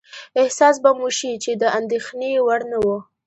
احساس به مو شي چې د اندېښنې وړ نه وه.